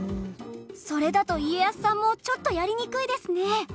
それだと家康さんもちょっとやりにくいですね。